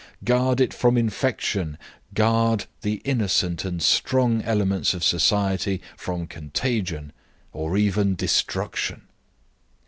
Guard it from infection; guard the innocent and strong elements of society from contagion or even destruction."